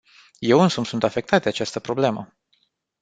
Eu însumi sunt afectat de această problemă.